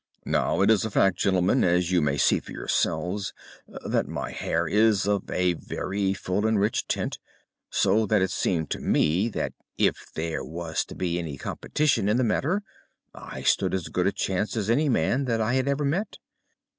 "Now, it is a fact, gentlemen, as you may see for yourselves, that my hair is of a very full and rich tint, so that it seemed to me that if there was to be any competition in the matter I stood as good a chance as any man that I had ever met.